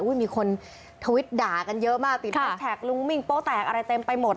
มีคนทวิตด่ากันเยอะมากติดแฮชแท็กลุงมิ่งโป๊แตกอะไรเต็มไปหมด